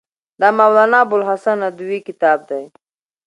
دا مولانا ابوالحسن ندوي کتاب دی.